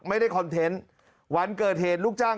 คอนเทนต์วันเกิดเหตุลูกจ้าง